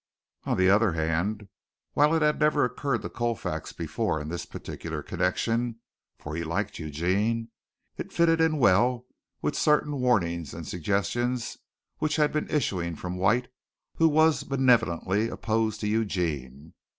On the other hand, while it had never occurred to Colfax before in this particular connection, for he liked Eugene, it fitted in well with certain warnings and suggestions which had been issuing from White who was malevolently opposed to Eugene.